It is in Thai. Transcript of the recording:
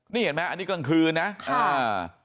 นี่เห็นไหมอันนี้กลางคืนนะอ่า